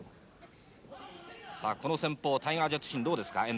この戦法タイガー・ジェット・シンどうですか？